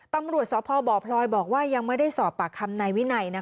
ตำรวจสพบพลอยบอกว่ายังไม่ได้สอบปากคำนายวินัย